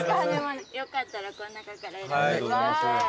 よかったらこん中から選んでください。